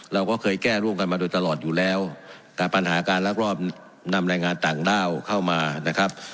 เราก็เคยแก้ร่วมกันมาโดยตลอดอยู่แล้วแต่ปัญหาการรักรอบนำแรงงานต่างด้าวเข้ามานะครับ